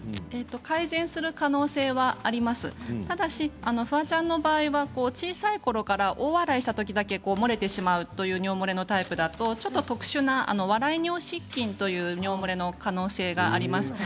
改善する可能性はあります、ただしフワちゃんの場合は小さいころから大笑いしたときだけ漏れてしまうという尿漏れのタイプだとちょっと特殊な笑い尿失禁という尿漏れの可能性があります。